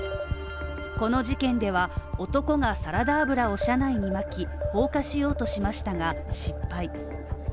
この事件では、男がサラダ油を車内にまき放火しようとしましたが、失敗。